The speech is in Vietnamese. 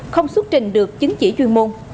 không xuất trình được chứng chỉ chuyên môn